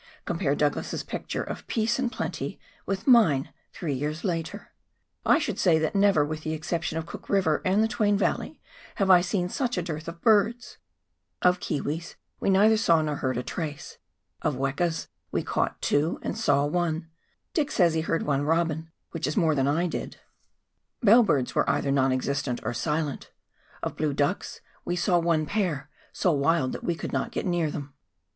Compare Douglas's picture of peace and plenty with mine three years later. I should say that never, with the exception of Cook Eiver and the Twain Valley, have I seen such a dearth of birds — of kiwis we neither saw nor heard a trace, of wekas we caught two and saw one, Dick says he heard one robin, which is more than I did — bell birds 292 PIONEER WORK IN THE ALPS OF NEW ZEALAND. were either non existent or silent — of blue ducks we saw one pair, so wild that we could not get near them.